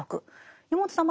山本さん